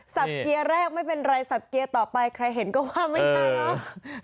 เกียร์แรกไม่เป็นไรสับเกียร์ต่อไปใครเห็นก็ว่าไม่ได้เนอะ